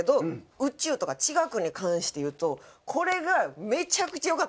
宇宙とか地学に関していうとこれがめちゃくちゃ良かったんですよ。